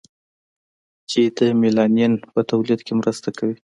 چې د میلانین په تولید کې مرسته کوي.